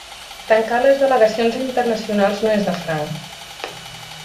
Tancar les delegacions internacionals no és de franc